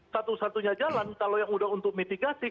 satu satunya jalan kalau yang udah untuk mitigasi